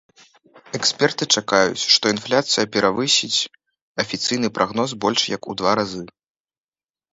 Эксперты чакаюць, што інфляцыя перавысіць афіцыйны прагноз больш як у два разы.